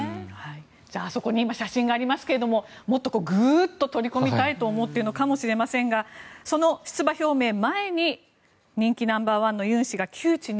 そこに写真がありますがもっと取り込みたいと思っているのかもしれませんがその出馬表明前に人気ナンバー１のユン氏が窮地に？